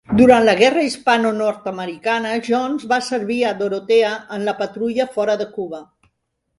Durant la Guerra hispano-nord-americana, Jones va servir a "Dorothea" en la patrulla fora de Cuba.